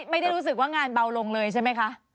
ไม่ได้รู้สึกว่างานเบาลงเลยใช่ไหมคะ